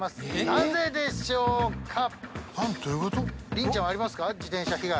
なぜでしょうか？